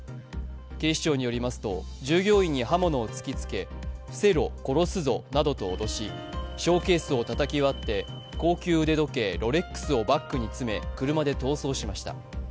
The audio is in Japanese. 警視庁によりますと従業員に刃物を突きつけ伏せろ、殺すぞなどと脅しショーケースをたたき割って高級腕時計ロレックスをバッグに詰め車で逃走しました。